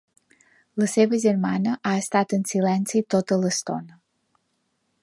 La seva germana ha estat en silenci tota l'estona.